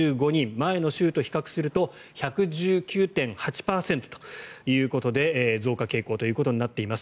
前の週と比較すると１１９．８％ということで増加傾向となっています。